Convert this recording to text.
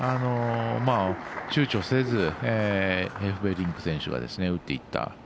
ちゅうちょせずエフベリンク選手が打っていった。